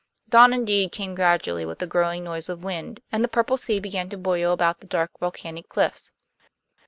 Dawn indeed came gradually with a growing noise of wind, and the purple sea began to boil about the dark volcanic cliffs.